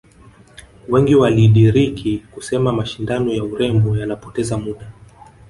Wengi walidiriki kusema mashindano ya urembo yanapoteza muda